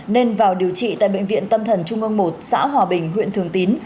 nên vào điều trị tại bệnh viện tâm thần trung ương một xã hòa bình huyện thường tín